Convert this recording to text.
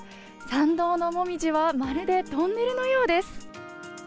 参道の紅葉はまるでトンネルのようです。